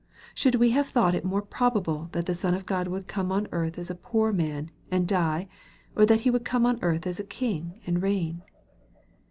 Should we have thought it more probable that the Sou of God would come on earth as a poor man, and die, or that He would come on earth as a King, and reign